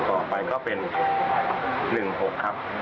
ต่อไปก็เป็น๑๖ครับ